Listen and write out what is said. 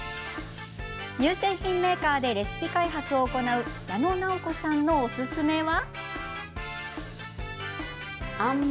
乳製品メーカーでレシピ開発を行う矢野奈央子さんのおすすめは。